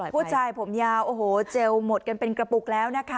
ผู้ชายผมยาวโอ้โหเจลหมดกันเป็นกระปุกแล้วนะคะ